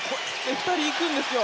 ２人いくんですよ。